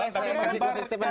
terima kasih pak sistipan